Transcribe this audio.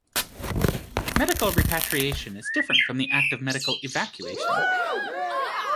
Medical repatriation is different from the act of medical evacuation.